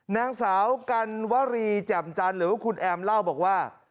นางสาวกันวรีแจ่มจันทร์หรือว่าคุณแอมเล่าบอกว่า